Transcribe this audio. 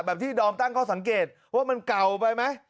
ที่ดอมตั้งข้อสังเกตว่ามันเก่าไปไหม